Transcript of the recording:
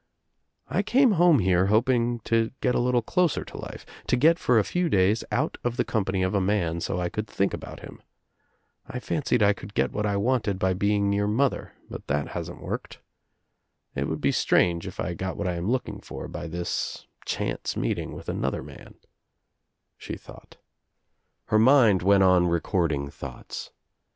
"I came home here hoping to get a little closer to life, to get, for a few days, out of the company of a man so I could think about him. I fancied I could get what I wanted by being near mother, but that hasn't worked. It would be strange if I got what I am looking for by igo THE TRIUMPH OF THE EGG this chance meeting with another man," she thought. Her mind went on recording thoughts.